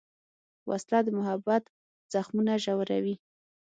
وسله د محبت زخمونه ژوروي